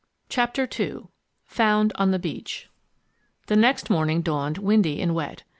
CHAPTER II FOUND ON THE BEACH The next morning dawned windy and wet.